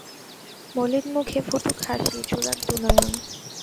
মলিন মুখে ফুটুক হাসি জুড়াক দু-নয়ন।